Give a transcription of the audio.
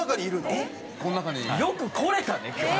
よく来れたね今日。